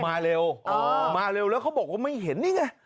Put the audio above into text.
มาเร็วมาเร็วแล้วเขาบอกว่าไม่เห็นนี่ไง